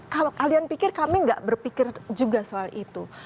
kalau kalian pikir kami nggak berpikir juga soal itu